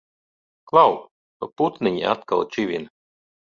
Klau! Nu putniņi atkal čivina!